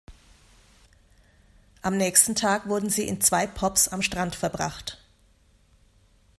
Am nächsten Tag wurden sie in zwei Pubs am Strand verbracht.